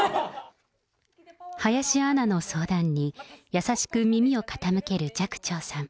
林アナの相談に、優しく耳を傾ける寂聴さん。